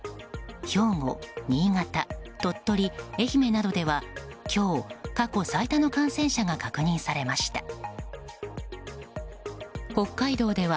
兵庫、新潟、鳥取、愛媛などでは今日、過去最多の感染者が確認されました。